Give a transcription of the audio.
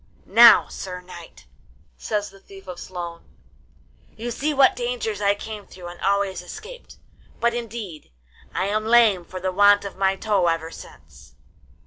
Now, sir knight,' says the Thief of Sloan, 'you see what dangers I came through and always escaped; but, indeed, I am lame for the want of my toe ever since.